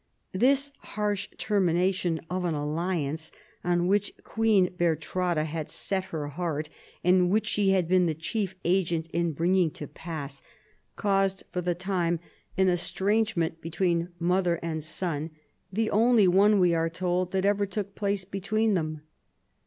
This harsh termination of an alliance on which Queen Bertrada had set her heart, and which she had been the chief agent in bringing to pass, caused, for the time, an estrangement between mother and son, the only one, we are told, that ever took place be tween them.